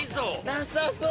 なさそう！